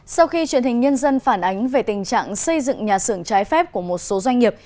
sau khi truyền hình nhân dân phản ánh về tình trạng xây dựng nhà xưởng trái phép của một số doanh nghiệp